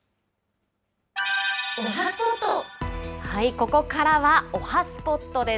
ここからは、おはＳＰＯＴです。